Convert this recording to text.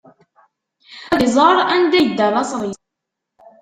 Ad iẓer anda yedda laṣel-is.